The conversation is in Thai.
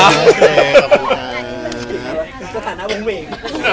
สถานะวงเหวง